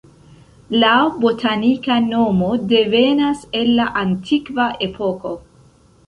La botanika nomo devenas el la antikva epoko.